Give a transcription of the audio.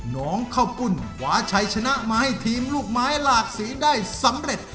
น้องข้าวปุ้นขวาชัยชนะมาให้ทีมลูกไม้หลากสีได้สำเร็จ